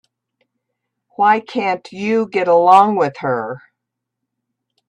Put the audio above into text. Why can't you get along with her?